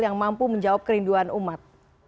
yang mampu menjawab kerinduan umat